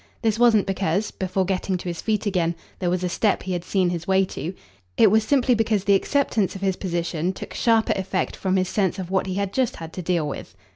This wasn't because, before getting to his feet again, there was a step he had seen his way to; it was simply because the acceptance of his position took sharper effect from his sense of what he had just had to deal with.